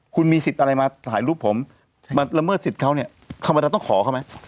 คุณมีสิทธิ์อะไรมาถ่ายรูปผมมาละเมิดสิทธิ์เขาเนี่ยทำไมเราต้องขอเขาไหม